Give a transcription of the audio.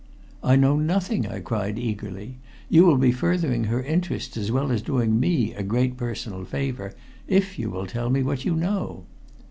"I know nothing," I cried eagerly. "You will be furthering her interests, as well as doing me a great personal favor, if you will tell me what you know."